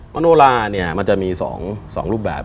มโนราวันนี้จะมี๒รูปแบบ